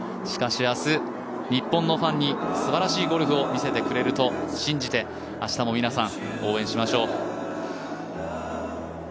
しかし明日、日本のファンにすばらしいゴルフを見せてくれると信じて明日も皆さん、応援しましょう。